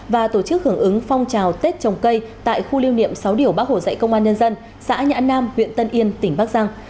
và tổ chức hưởng ứng phong trào tết trồng cây tại khu lưu niệm sáu điều bác hồ dạy công an nhân dân xã nhã nam huyện tân yên tỉnh bắc giang